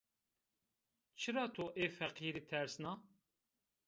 Çira to ê feqîrî tersna?